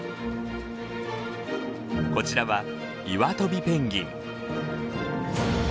こちらはイワトビペンギン。